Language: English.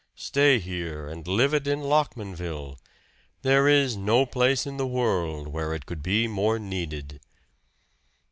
Stay here and live it in Lockmanville there is no place in the world where it could be more needed."